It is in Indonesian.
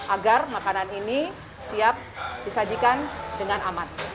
agar makanan ini siap disajikan dengan aman